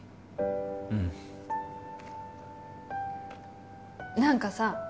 うん何かさ